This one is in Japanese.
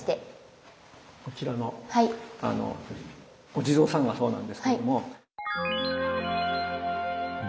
こちらのお地蔵さんがそうなんですけども。